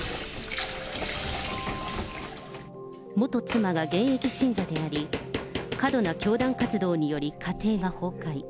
元妻が現役信者であり、過度な教団活動により家庭が崩壊。